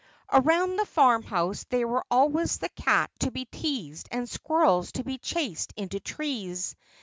Around the farmhouse there were always the cat to be teased and squirrels to be chased into trees.